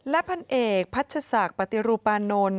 และพันเอกพัชศักดิ์ปฏิรูปปานนท์